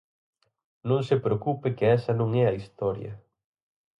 Non se preocupe que esa non é a historia.